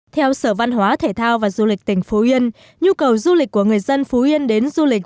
theo sở văn hóa thể thao và du lịch tỉnh phú yên nhu cầu du lịch của người dân phú yên đến du lịch